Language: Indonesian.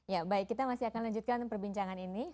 ya baik kita masih akan lanjutkan perbincangan ini